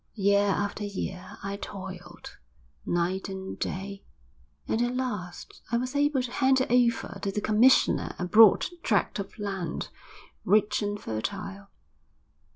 Year after year I toiled, night and day, and at last I was able to hand over to the commissioner a broad tract of land, rich and fertile.